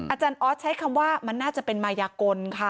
อาจารย์ออสใช้คำว่ามันน่าจะเป็นมายากลค่ะ